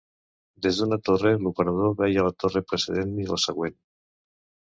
Des d'una torre l'operador veia la torre precedent i la següent.